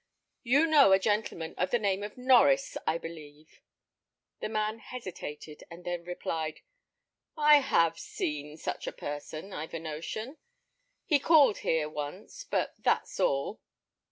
"You know a gentleman of the name of Norries, I believe?" The man hesitated, and then replied, "I have seen such a person, I've a notion. He called here once, but that's all."